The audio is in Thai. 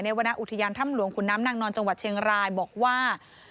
วรรณอุทยานถ้ำหลวงขุนน้ำนางนอนจังหวัดเชียงรายบอกว่า